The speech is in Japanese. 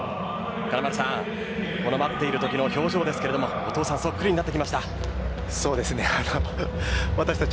待っているときの表情ですがお父さんそっくりになってきました。